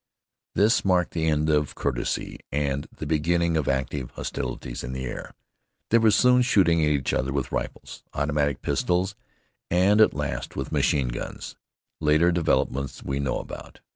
This marked the end of courtesy and the beginning of active hostilities in the air. They were soon shooting at each other with rifles, automatic pistols, and at last with machine guns. Later developments we know about.